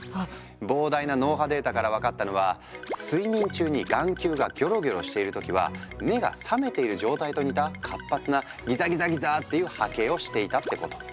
膨大な脳波データから分かったのは睡眠中に眼球がギョロギョロしている時は目が覚めている状態と似た活発なギザギザギザーっていう波形をしていたってこと。